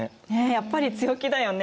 やっぱり強気だよね。